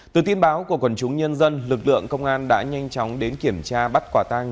từ tin báo của quần chúng nhân dân lực lượng công an đã nhanh chóng đến kiểm tra bắt quả tang